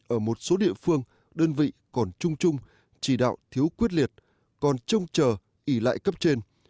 ở một số địa phương đơn vị còn chung chung chỉ đạo thiếu quyết liệt còn trông chờ ỉ lại cấp trên